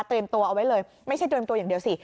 ตัวเอาไว้เลยไม่ใช่เตรียมตัวอย่างเดียวสิ